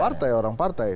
partai orang partai